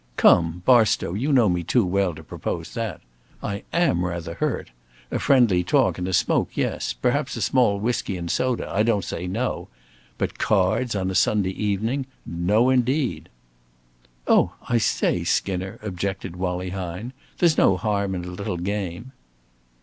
"Come, Barstow, you know me too well to propose that. I am rather hurt. A friendly talk, and a smoke, yes. Perhaps a small whisky and soda. I don't say no. But cards on a Sunday evening! No indeed." "Oh, I say, Skinner," objected Wallie Hine. "There's no harm in a little game."